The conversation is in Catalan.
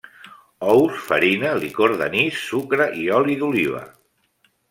Ous, farina, licor d'anís, sucre i oli d'oliva.